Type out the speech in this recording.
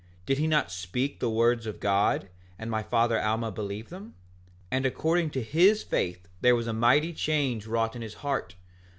Did he not speak the words of God, and my father Alma believe them? 5:12 And according to his faith there was a mighty change wrought in his heart.